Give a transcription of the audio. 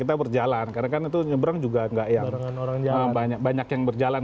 kita berjalan karena kan itu nyebrang juga gak yang orang orang yang banyak banyak yang berjalan